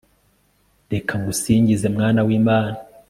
reka ngusingize mwana w'imana